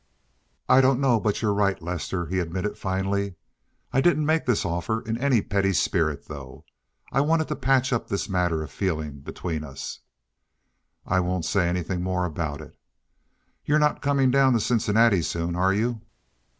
"I don't know but what you're right, Lester," he admitted finally. "I didn't make this offer in any petty spirit though. I wanted to patch up this matter of feeling between us. I won't say anything more about it. You're not coming down to Cincinnati soon, are you?"